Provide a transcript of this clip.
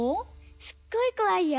すっごい怖いよ。